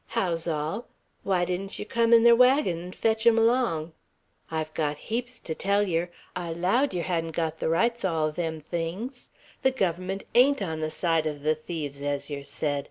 How's all? Why didn't yer come in ther wagon 'n' fetch 'em 'long? I've got heaps ter tell yer. I allowed yer hadn't got the rights o' all them things. The Guvvermunt ain't on the side o' the thieves, as yer said.